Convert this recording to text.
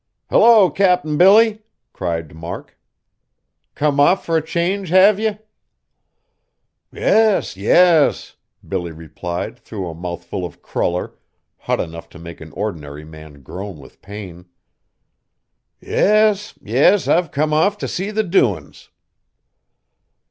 "Hello! Cap'n Billy," cried Mark, "come off fur a change, have ye?" "Yes, yes," Billy replied through a mouthful of cruller, hot enough to make an ordinary man groan with pain. "Yes, yes; I've come off t' see the doin's."